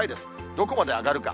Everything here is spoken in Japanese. どこまで上がるか。